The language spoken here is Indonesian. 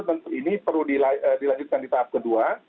tentu ini perlu di la lemal dilajukan di tahap kedua